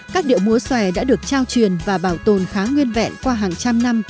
các điệu múa xòe đã được trao truyền và bảo tồn khá nguyên vẹn qua hàng trăm năm